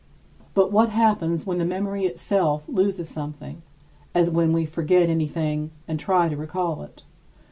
But what happens when the memory itself loses something, as when we forget anything and try to recall it?